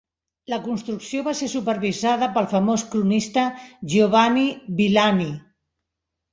La construcció va ser supervisada pel famós cronista Giovanni Villani.